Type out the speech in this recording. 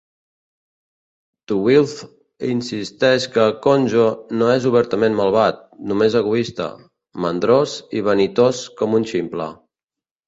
Twiffle insisteix que Conjo no és obertament malvat, només egoista, mandrós i vanitós com un ximple.